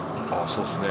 そうですね。